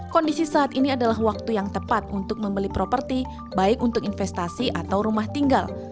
kondisi saat ini adalah waktu yang tepat untuk membeli properti baik untuk investasi atau rumah tinggal